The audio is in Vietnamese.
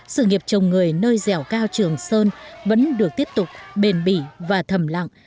sự nghiệp chồng người nơi dẻo cao trường sơn vẫn được tiếp tục bền bỉ và thầm lặng